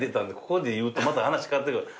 ここで言うとまた話変わってくる。